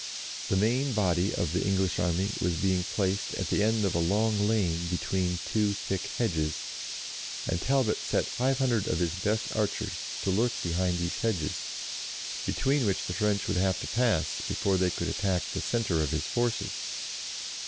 The main body of the English army was being placed at the end of a long lane between two thick hedges, and Talbot set five hundred of his best archers to lurk behind these hedges, between which the French would have to pass before they could attack the centre of his forces.